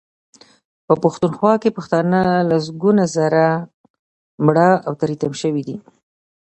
په پښتونخوا کې پښتانه لسګونه زره مړه او تري تم شوي دي.